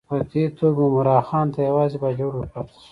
په دې توګه عمرا خان ته یوازې باجوړ ورپاته شو.